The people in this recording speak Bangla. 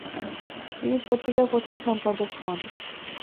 তিনি পত্রিকার প্রথম সম্পাদক হন।